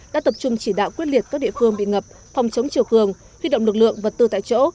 đã tập trung chỉ đạo quyết liệt các địa phương bị ngập phòng chống triều cường huy động lực lượng vật tư tại chỗ